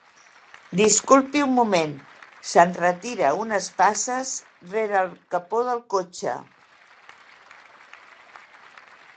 Disculpi un moment —s'enretira unes passes, rere el capó del cotxe.